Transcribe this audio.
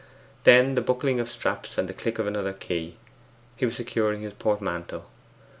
Then the buckling of straps and the click of another key, he was securing his portmanteau.